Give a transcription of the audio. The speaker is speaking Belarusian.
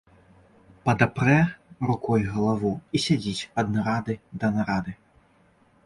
Падапрэ рукой галаву і сядзіць ад нарады да нарады.